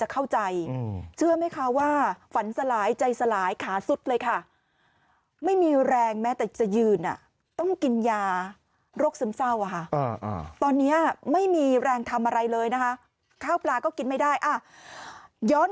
คือมันมีเรื่องราวซับซ้อนกว่านั้น